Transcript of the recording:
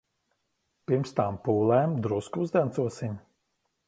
Pirms tām pūlēm drusku uzdancosim.